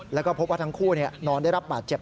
แล้วก็พบว่าทั้งคู่นอนได้รับบาดเจ็บ